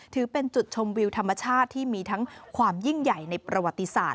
ถือเป็นจุดชมวิวธรรมชาติที่มีทั้งความยิ่งใหญ่ในประวัติศาสต